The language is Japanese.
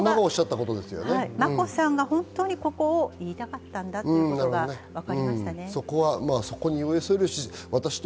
眞子さんがここを言いたかったんだということが分かりましたね。